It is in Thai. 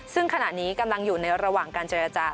ซึ่งขณะนี้กำลังอยู่ในระหว่างการเจรจา